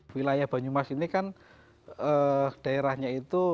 wilayah banyumas ini kan daerahnya itu